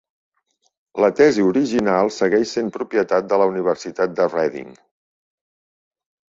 La tesi original segueix sent propietat de la Universitat de Reading.